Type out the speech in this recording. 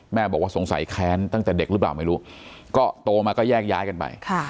แม่บอกว่าสงสัยแค้นตั้งแต่เด็กหรือเปล่าไม่รู้ก็โตมาก็แยกย้ายกันไป